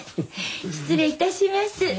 失礼いたします。